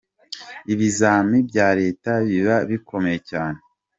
Ibizami bya leta biba bikomeye cyane.